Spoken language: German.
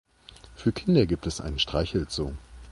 Für Kinder gibt es einen Streichelzoo.